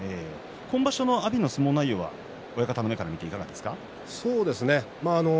今場所の阿炎の相撲内容は親方から見ていかがですか。